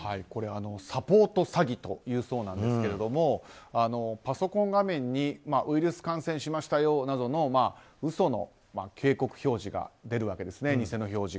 これ、サポート詐欺と言うそうなんですがパソコン画面にウイルス感染しましたよなどの嘘の警告表示が出るわけですね。